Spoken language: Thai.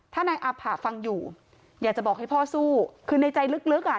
ถ้านายอาผะฟังอยู่อยากจะบอกให้พ่อสู้คือในใจลึกอ่ะ